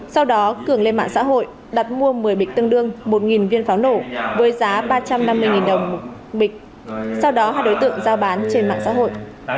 sau đó cường lên mạng xã hội đặt mua một mươi bịch tương đương một viên pháo nổ với giá ba trăm năm mươi đồng một bịch sau đó hai đối tượng giao bán trên mạng xã hội